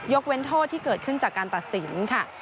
เว้นโทษที่เกิดขึ้นจากการตัดสินค่ะ